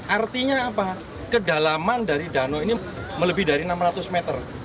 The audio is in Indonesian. artinya apa kedalaman dari danau ini melebih dari enam ratus meter